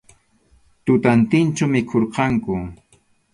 Tutantinchu mikhurqanku.